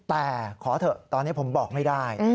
แต่ขอเถอะตอนนี้ผมบอกไม่ได้